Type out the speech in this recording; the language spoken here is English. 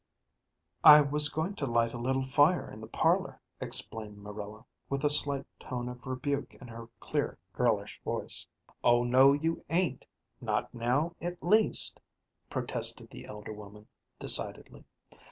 "I was going to light a little fire in the parlor," explained Marilla, with a slight tone of rebuke in her clear girlish voice. "Oh, no, you ain't, not now, at least," protested the elder woman decidedly.